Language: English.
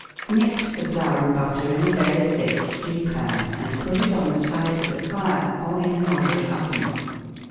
— Mix the flour and butter in a very thick stew pan, and put it on the side of the fire or in a moderate oven.